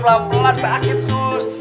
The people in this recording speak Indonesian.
pelan pelan sakit sus